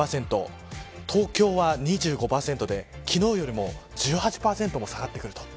東京は２５％で昨日よりも１８％も下がってくる。